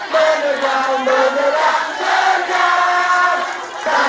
menerbang menerang menerjang